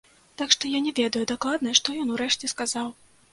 Так што я не ведаю дакладна, што ён у рэшце сказаў.